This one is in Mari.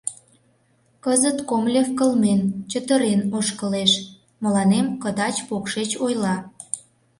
Кызыт Комлев кылмен, чытырен ошкылеш, мыланем кыдач-покшеч ойла: